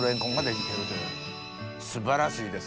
素晴らしいです！